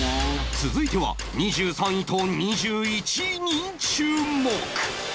続いては２３位と２１位に注目